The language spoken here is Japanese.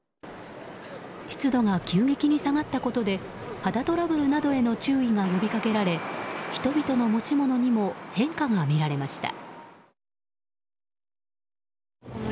湿度が急激に下がったことで肌トラブルなどへの注意が呼び掛けられ人々の持ち物にも変化が見られました。